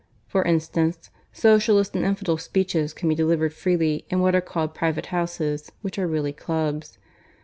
For instance, Socialist and infidel speeches can be delivered freely in what are called private houses, which are really clubs.